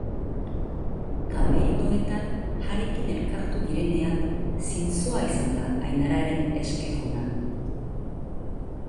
Kamerinoetan harekin elkartu direnean, zintzoa izan da Ainararen esker ona.